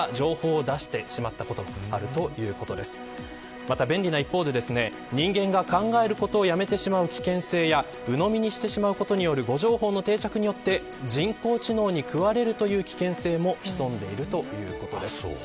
また便利な一方で人間が考えることをやめてしまう危険性やうのみにしてしまうことによる誤情報の定着によって人工知能にくわれるという危険性も潜んでいるということです。